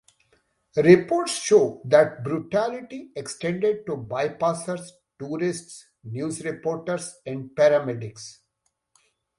Reports show that brutality extended to bypassers, tourists, news reporters and paramedics.